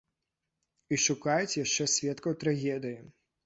І шукаюць яшчэ сведкаў трагедыі.